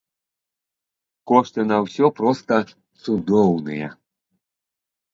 Кошты на ўсё проста цудоўныя.